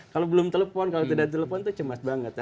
kalau belum telepon kalau tidak telepon tuh cemas banget